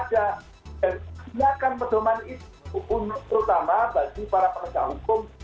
dan siapkan perdoman itu untuk undang undang terutama bagi para pekerja hukum